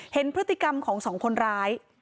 เห็นพฤติกรรมของสองคนร้าย